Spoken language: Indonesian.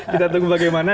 kita tunggu bagaimana